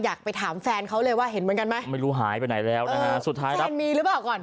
อยากไปถามแฟนเค้าเลยว่าเห็นเหมือนกันมั้ย